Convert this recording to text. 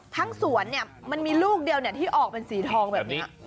ทั้งสวนมันมีลูกเดียวที่ออกเป็นสีทองแบบนี้